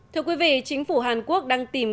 thưa quý vị chính phủ hàn quốc đang tìm